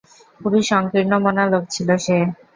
খুবই সংকীর্ণমনা লোক ছিল সে।